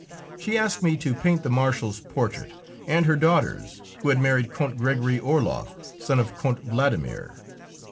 She asked me to paint the Marshal's portrait, and her daughter's, who had married Count Gregory Orloff, son of Count Vladimir.